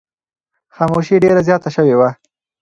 خاموشي ډېره زیاته شوې وه.